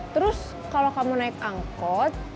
terus kalau kamu naik angkot